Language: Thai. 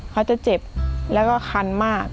เขาจะเจ็บแล้วก็คันมาก